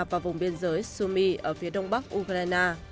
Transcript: vào vùng biên giới sumy ở phía đông bắc ukraine